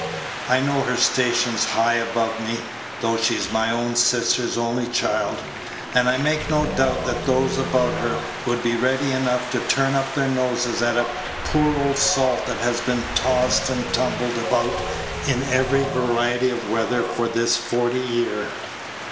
"I know her station's high above me, though she's my own sister's only child; and I make no doubt that those about her would be ready enough to turn up their noses at a poor old salt that has been tossed and tumbled about in every variety of weather for this forty year.